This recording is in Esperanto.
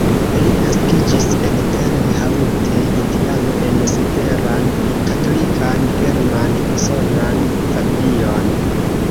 Li naskiĝis en Terre Haute, Indiano, en severan Katolikan German-Usonan familion.